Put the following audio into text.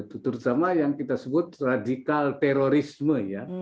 terutama yang kita sebut radikal terorisme ya